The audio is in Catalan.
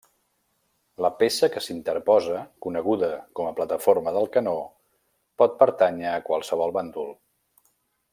La peça que s'interposa, coneguda com a plataforma del canó, pot pertànyer a qualsevol bàndol.